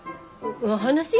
お話？